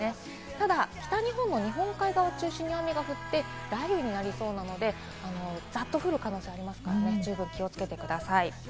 ただ、北日本の日本海側中心に雨が降って雷雨になりそうなので、ザッと降る可能性ありますので、十分気をつけてください。